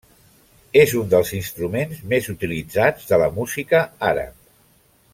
És un dels instruments més utilitzats de la música àrab.